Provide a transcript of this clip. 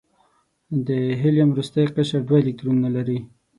د هیلیم وروستی قشر دوه الکترونونه لري.